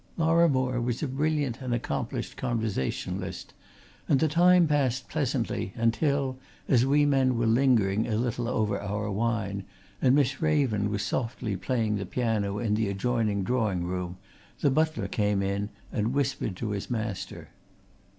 Lorrimore was a brilliant and accomplished conversationalist, and the time passed pleasantly until, as we men were lingering a little over our wine, and Miss Raven was softly playing the piano in the adjoining drawing room, the butler came in and whispered to his master.